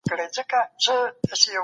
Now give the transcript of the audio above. زه له دې زده کړه ترلاسه کوم.